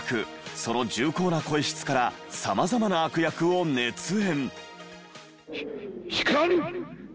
その重厚な声質からさまざまな悪役を熱演。